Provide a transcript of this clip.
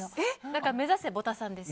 だから目指せ、ボタさんです。